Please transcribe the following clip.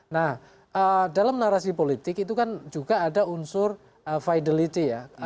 nah dalam narasi politik itu kan juga ada unsur vitality ya